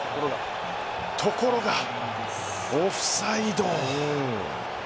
ところがオフサイド。